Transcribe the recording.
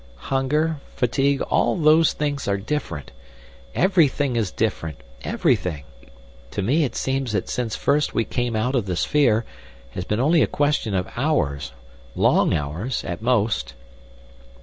"Hunger—fatigue—all those things are different. Everything is different—everything. To me it seems that since first we came out of the sphere has been only a question of hours—long hours—at most."